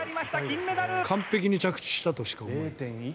完璧に着地したとしか思えない。